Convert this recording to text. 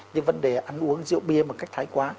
như vấn đề ăn uống rượu bia một cách thái quá